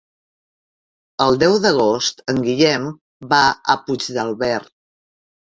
El deu d'agost en Guillem va a Puigdàlber.